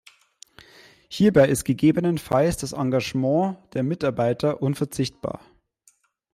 Hierbei ist gegebenenfalls das Engagement der Mitarbeiter unverzichtbar.